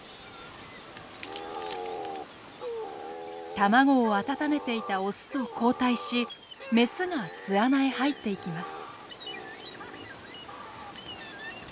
卵を温めていた雄と交代し雌が巣穴へ入っていきます。